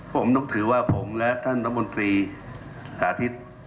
ผมต้องถือว่าผมและท่านรัฐมนตรีสาธิต